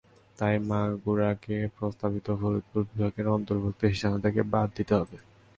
তাই মাগুরাকে প্রস্তাবিত ফরিদপুর বিভাগের অন্তর্ভুক্তির সিদ্ধান্ত থেকে বাদ দিতে হবে।